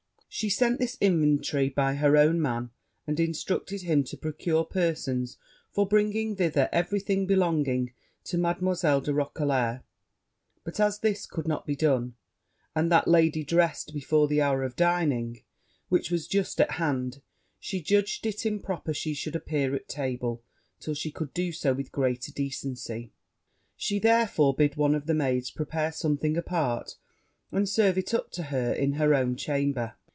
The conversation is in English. She sent this inventory by her own man, and instructed him to procure persons for bringing thither every thing belonging to Mademoiselle de Roquelair: but as this could not be done, and that lady dressed, before the hour of dinner, which was just at hand, she judged it improper she should appear at table till she could do so with greater decency; she therefore bid one of the maids prepare something apart, and serve it up to her in her own chamber.